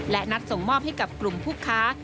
และนัดส่งมอบให้กับกลุ่มผู้ค้า